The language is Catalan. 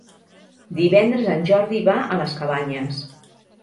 Divendres en Jordi va a les Cabanyes.